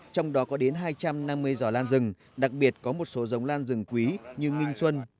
trong đó có đến hai trăm năm mươi giỏ lan rừng đặc biệt có một số giống lan rừng quý như nghinh xuân